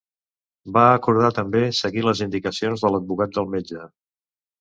Van acordar també seguir les indicacions de l'advocat del metge.